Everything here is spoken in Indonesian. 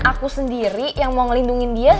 aku sendiri yang mau ngelindungi dia